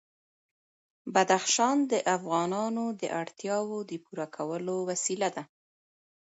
بدخشان د افغانانو د اړتیاوو د پوره کولو وسیله ده.